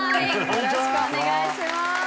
よろしくお願いします。